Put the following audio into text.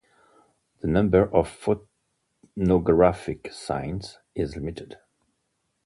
The number of phonographic signs is limited.